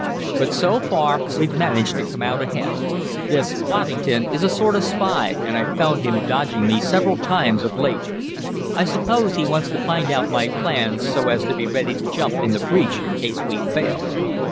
"But, so far, we've managed to come out ahead. This Waddington is a sort of spy, and I've found him dodging me several times of late. I suppose he wants to find out my plans so as to be ready to jump in the breach in case we fail."